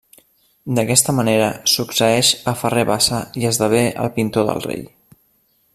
D'aquesta manera succeeix a Ferrer Bassa i esdevé el pintor del rei.